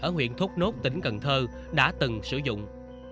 ở huyện thốt nốt tỉnh cần thơ đã từng sử dụng